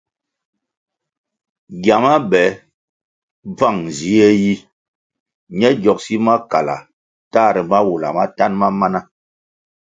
Gyama be bvan zie yi, ñe gyogsi makala tahare mawula matanʼ ma mana.